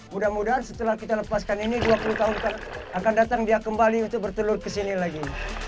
mudah mudahan setelah kita lepaskan ini dua puluh tahun akan datang dia kembali untuk bertelur ke sini lagi